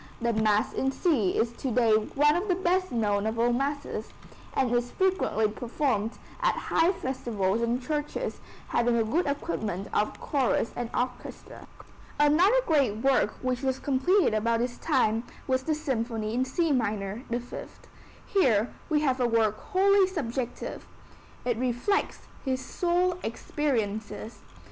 The Mass in C is to day one of the best known of all masses, and is frequently performed at high festivals in churches having a good equipment of chorus and orchestra. Another great work which was completed about this time was the Symphony in C minor (The Fifth). Here we have a work wholly subjective. It reflects his soul experiences.